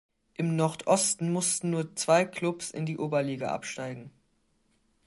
Im Nordosten mussten nur zwei Klubs in die Oberliga absteigen.